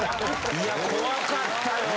いや怖かった！